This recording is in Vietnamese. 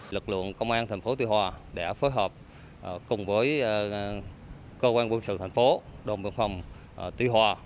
lực lượng công an thành phố tuy hòa để phối hợp cùng với cơ quan quân sự thành phố đồng bộ phòng tuy hòa